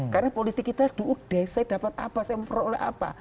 karena politik kita udah saya dapat apa saya memperoleh apa